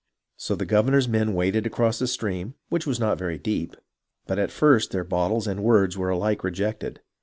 " So the governor's men waded across the stream, which was not very deep, but at first their bottles and words were alike rejected.